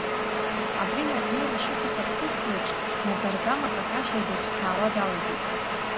Абри инаркны Рашьыҭ ихатә ԥҳәыск леиԥш, маӡа-аргама Какашьа длыҿцаауа далагеит.